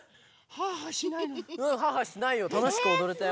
ハァハァしないよ